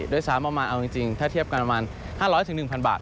โดยซ้ำประมาณเอาจริงถ้าเทียบกันประมาณ๕๐๐๑๐๐บาท